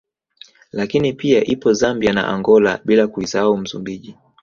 Lakini pia ipo Zambia na Angola bila kuisahau Msumbiji